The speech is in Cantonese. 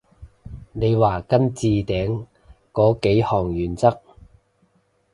你話跟置頂嗰幾項原則？